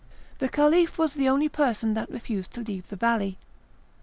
The Caliph was the only person that refused to leave the valley.